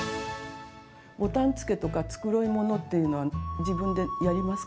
ボタンつけとか繕い物っていうのは自分でやりますか？